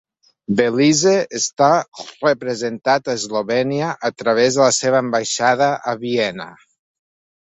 Belize està representat a Eslovènia a través de la seva ambaixada a Viena.